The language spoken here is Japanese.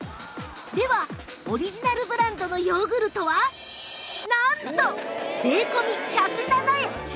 ではオリジナルブランドのヨーグルトはなんと税込み１０７円！